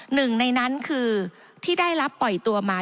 หนึ่งในนั้นคือที่ได้รับปล่อยตัวมา